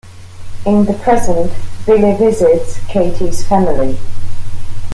In the present, Billy visits Katie's family.